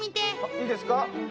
いいですか。